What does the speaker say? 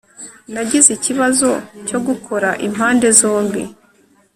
nagize ikibazo cyo gukora impande zombi